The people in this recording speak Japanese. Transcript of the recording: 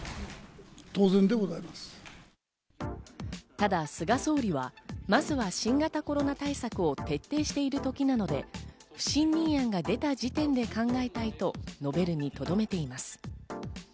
ただ菅総理はまずは新型コロナ対策を徹底している時なので不信任案が出た時点で考えたいと述べるにとどめています。